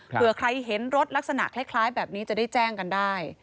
เผื่อใครเห็นรถลักษณะคล้ายแบบนี้จะได้แจ้งกันได้